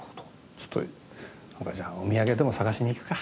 ちょっとじゃあお土産でも探しに行くか。